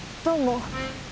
どうも。